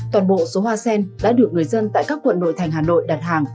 toàn bộ số hoa sen đã được người dân tại các quận nội thành hà nội đặt hàng